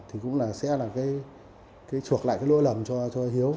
thì cũng là sẽ là cái chuộc lại cái lỗi lầm cho hiếu